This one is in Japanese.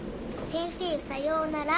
先生さようなら。